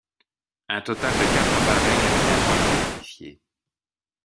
Un total de quatre appareils a finalement été modifié.